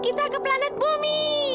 kita ke planet bumi